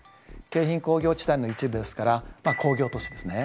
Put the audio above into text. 京浜工業地帯の一部ですからまあ工業都市ですね。